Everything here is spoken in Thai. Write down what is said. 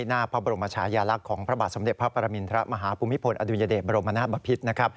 หน้าพระบรมชายาลักษณ์ของพระบาทสมเด็จพระปรมินทรมาฮภูมิพลอดุญเดชบรมนาศบพิษนะครับ